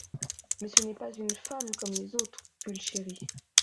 Mais ce n'est pas une femme comme les autres, Pulchérie …